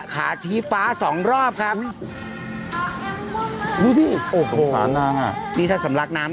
ขาชี้ฟ้าสองรอบครับดูดิโอ้โหขานางอ่ะนี่ถ้าสำลักน้ำ